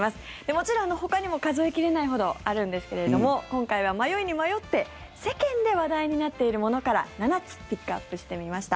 もちろんほかにも数え切れないほどあるんですけど今回は迷いに迷って世間で話題になっているものから７つピックアップしてみました。